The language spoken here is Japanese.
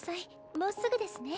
もうすぐですね